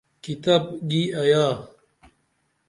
کِتب گی ایا!